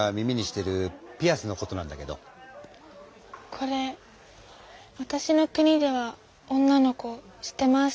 これわたしの国では女の子してます。